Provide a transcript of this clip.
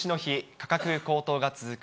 価格高騰が続く